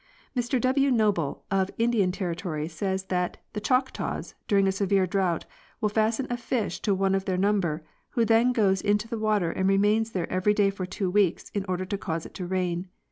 Mr W. Noble of Indian territory says that 'The Choctaws, during a severe drought, will fasten a fish to one of their num ber, who then goes into the water and remains there every day for two weeks in order to cause it to rain."